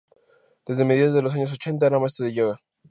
Desde mediados de los años ochenta era maestro de yoga.